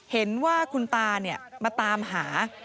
เห็นว่าคุณตามาตามหา